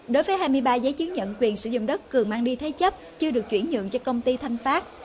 đối với hai mươi ba giấy chứng nhận quyền sử dụng đất cường mang đi thế chấp chưa được chuyển nhượng cho công ty thanh phát